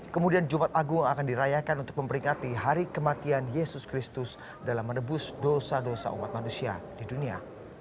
kemudian jumat agung akan dirayakan untuk memperingati hari kematian yesus kristus dalam menebus dosa dosa umat manusia di dunia